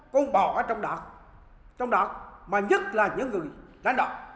con bò ở trong đảng mà nhất là những người lãnh đạo